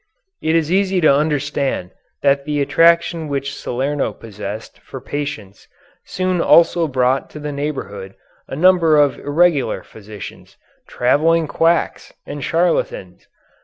It is easy to understand that the attraction which Salerno possessed for patients soon also brought to the neighborhood a number of irregular physicians, travelling quacks, and charlatans.